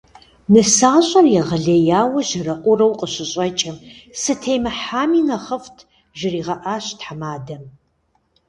Нысащӏэр егъэлеяуэ жьэрэӏурэу къыщыщӏэкӏым, «сытемыхьами нэхъыфӏт» жригъэӏащ тхьэмадэм.